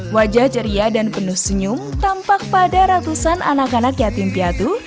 wajah ceria dan penuh senyum tampak pada ratusan anak anak yatim piatu